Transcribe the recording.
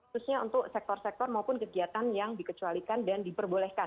khususnya untuk sektor sektor maupun kegiatan yang dikecualikan dan diperbolehkan